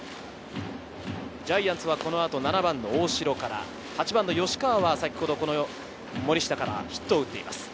ジャイアンツはこの後７番の大城から８番の吉川は先ほど森下からヒットを打っています。